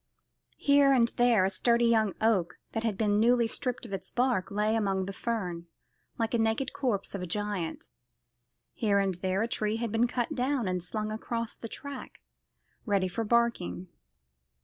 Here and there a sturdy young oak that had been newly stripped of its bark lay among the fern, like the naked corpse of a giant. Here and there a tree had been cut down and slung across the track, ready for barking.